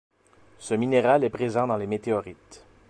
Ce minéral est présent dans les météorites.